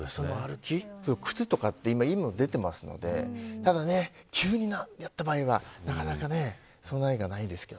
靴とかって今いいものも出ているのでただ急になった場合は、なかなか備えがないですけど。